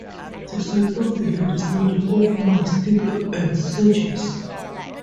The Circle of the Land is made up of mystics and sages.